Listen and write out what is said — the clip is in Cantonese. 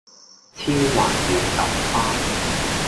超滑嫩豆花